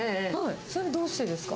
それ、どうしてですか？